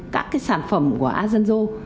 các sản phẩm của asanjo